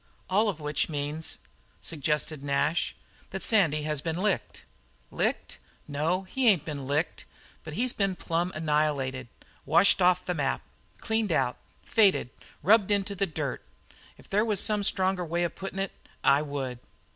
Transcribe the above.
"All of which means," suggested Nash, "that Sandy has been licked?" "Licked? No, he ain't been licked, but he's been plumb annihilated, washed off the map, cleaned out, faded, rubbed into the dirt; if there was some stronger way of puttin' it, I would.